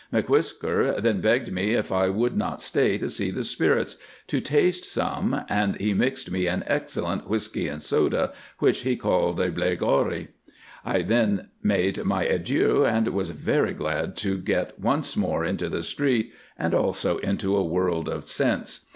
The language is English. M'Whisker then begged me, if I would not stay to see the spirits, to taste some, and he mixed me an excellent whisky and soda, which he called a "Blairgowrie." I then made my adieu, and was very glad to get once more into the street and also into a world of sense.